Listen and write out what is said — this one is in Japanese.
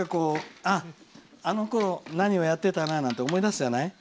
あのころ何をやってたな、なんて思い出すじゃない。